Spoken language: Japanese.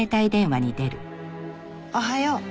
おはよう。